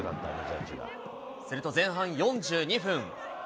すると前半４２分。